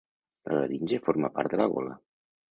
La laringe forma part de la gola.